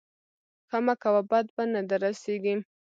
ښه مه کوه بد به نه در رسېږي.